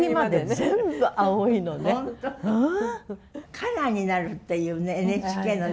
カラーになるっていうねＮＨＫのね。